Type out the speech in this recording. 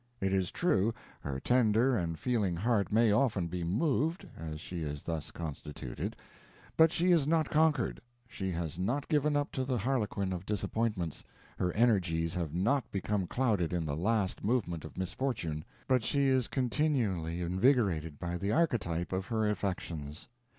It is true, her tender and feeling heart may often be moved (as she is thus constituted), but she is not conquered, she has not given up to the harlequin of disappointments, her energies have not become clouded in the last movement of misfortune, but she is continually invigorated by the archetype of her affections.